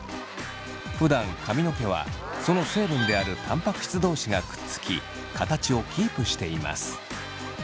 ふだん髪の毛はその成分であるタンパク質同士がくっつき形をキープしています。